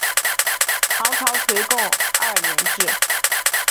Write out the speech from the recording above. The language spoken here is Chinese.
唐朝垂拱二年置。